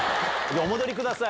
お戻りください。